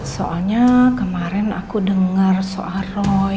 soalnya kemarin aku dengar soal roy